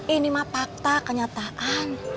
ini mah fakta kenyataan